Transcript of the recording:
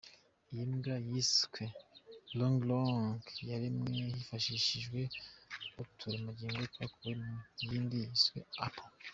Iyi mbwa yiswe Longlong yaremwe hifashishijwe uturemangingo twakuwe ku yindi yiswe Apple.